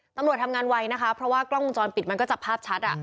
ตำรวจทำงานไวนะคะเพราะว่ากล้องวงจรปิดมันก็จับภาพชัด